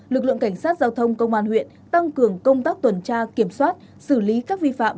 lực lượng cảnh sát giao thông công an huyện tăng cường công tác tuần tra kiểm soát xử lý các vi phạm